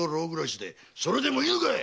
それでもいいのか